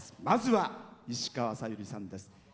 まずは石川さゆりさんです。